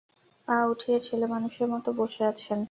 পা উঠিয়ে ছেলেমানুষের মতো বসে আছেন।